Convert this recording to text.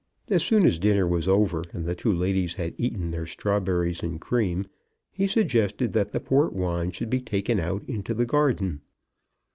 As soon as dinner was over, and the two ladies had eaten their strawberries and cream, he suggested that the port wine should be taken out into the garden.